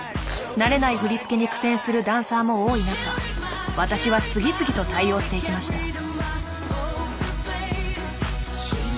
慣れない振り付けに苦戦するダンサーも多い中私は次々と対応していきました。